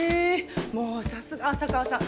もうさすが浅川さん